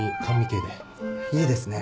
いいですね。